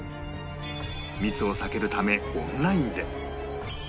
密を避けるためオンラインで